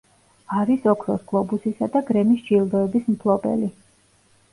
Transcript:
არის ოქროს გლობუსისა და გრემის ჯილდოების მფლობელი.